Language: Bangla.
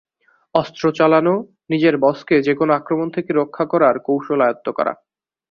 অস্ত্র চালানো, নিজের বসকে যেকোনো আক্রমণ থেকে রক্ষা করার কৌশল আয়ত্ব করা।